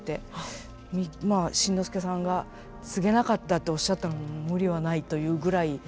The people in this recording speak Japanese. まあ慎之介さんが「継げなかった」っておっしゃったのも無理はないというぐらい。